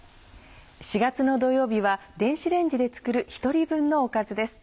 ４月の土曜日は電子レンジで作る１人分のおかずです。